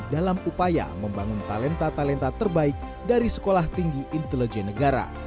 dalam upaya membangun talenta talenta terbaik dari sekolah tinggi intelijen negara